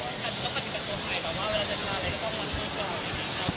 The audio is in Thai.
แล้วก็มีตัวไทยเมื่อจะกล้าอะไรก็ต้องกลับมาก่อน